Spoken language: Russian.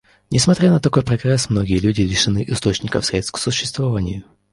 Несмотря на такой прогресс, многие люди лишены источников средств к существованию.